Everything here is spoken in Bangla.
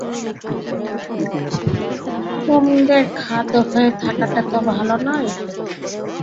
কুটুম্বদের খাতক হয়ে থাকাটা তো ভালো নয়।